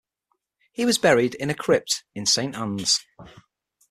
He was buried in a crypt in Saint Anne's.